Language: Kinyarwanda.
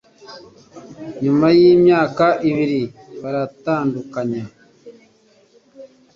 Nyuma yimyaka ibiri, baratandukanye